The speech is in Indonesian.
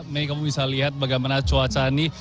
mei kamu bisa lihat bagaimana cuaca ini